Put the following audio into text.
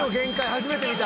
初めて見た。